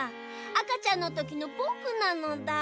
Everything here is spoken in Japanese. あかちゃんのときのぼくなのだ。